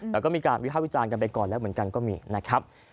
แต่ก็มีการวิภาควิจารณ์กันไปก่อนแล้วเหมือนกันก็มีนะครับ